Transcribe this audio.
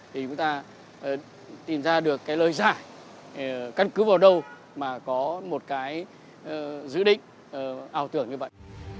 thì chúng ta tìm ra được cái lời giải căn cứ vào đâu mà có một cái dự định ảo tưởng như vậy